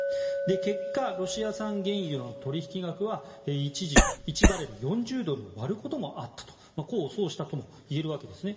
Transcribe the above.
結果、ロシア産原油の取引額は一時１バレル＝４０ドルを割ることもあったと功を奏したともいえるわけですね。